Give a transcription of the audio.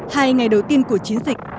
hai ngày đầu tiên của chiến dịch